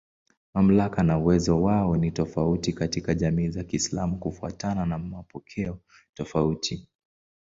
Mamlaka na uwezo wao ni tofauti katika jamii za Kiislamu kufuatana na mapokeo tofauti.